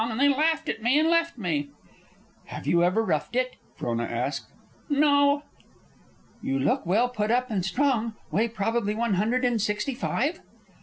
And they laughed at me and left me." "Have you ever roughed it?" Frona asked. "No." "You look well put up and strong. Weigh probably one hundred and sixty five?"